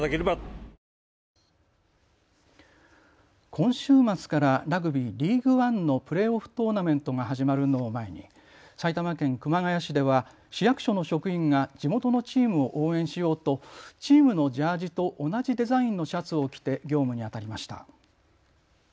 今週末からラグビーリーグワンのプレーオフトーナメントが始まるのを前に埼玉県熊谷市では市役所の職員が地元のチームを応援しようとチームのジャージと同じデザインのシャツを着て業務にあたりました。